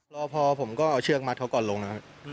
รอพอผมก็เอาเชือกมัดเขาก่อนลงนะครับ